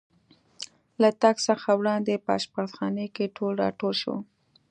له تګ څخه وړاندې په اشپزخانه کې ټول را ټول شو.